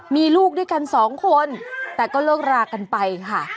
มีลูกด้วยกันสองคนแต่ก็เลิกรากันไปค่ะ